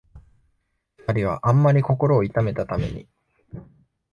二人はあんまり心を痛めたために、